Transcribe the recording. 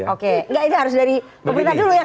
oke enggak itu harus dari pemerintah dulu ya